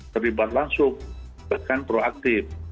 terlibat langsung bahkan proaktif